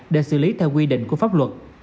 để xử lý theo quy định của pháp luật